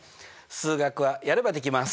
数学はやればできます。